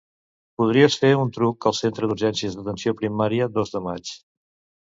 Podries fer un truc al centre d'urgències d'atenció primària Dos de Maig.